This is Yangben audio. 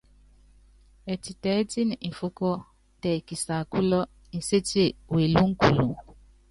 Ɛtitɛɛ́tíni mfúkɔ́ tɛ kisaakúlɔ, Nsetie welúŋukuluŋ.